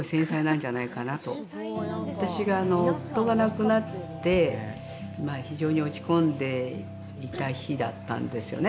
私が、夫が亡くなって非常に落ち込んでいた日だったんですよね。